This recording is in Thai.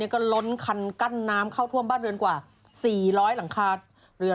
ก็ล้นคันกั้นน้ำเข้าท่วมบ้านเรือนกว่า๔๐๐หลังคาเรือน